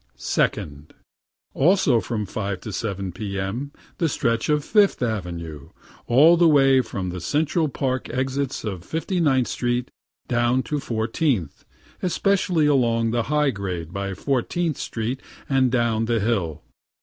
Second: also from 5 to 7 P.M. the stretch of Fifth avenue, all the way from the Central Park exits at Fifty ninth street, down to Fourteenth, especially along the high grade by Fortieth street, and down the hill.